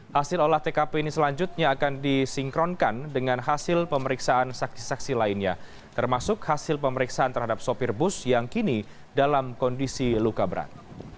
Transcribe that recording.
hasil olah tkp ini selanjutnya akan disinkronkan dengan hasil pemeriksaan saksi saksi lainnya termasuk hasil pemeriksaan terhadap sopir bus yang kini dalam kondisi luka berat